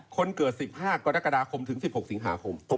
คนเกิด๑๕กรกฎาคมถึง๑๖สิงหาคม